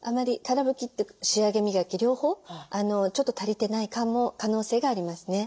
仕上げ磨き両方ちょっと足りてない可能性がありますね。